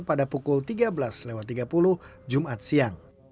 pada pukul tiga belas tiga puluh jumat siang